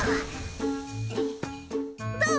どう？